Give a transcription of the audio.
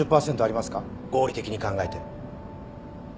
合理的に考えて。